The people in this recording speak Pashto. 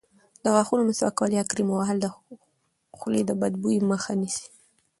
د غاښونو مسواک کول یا کریم وهل د خولې د بدبویۍ مخه نیسي.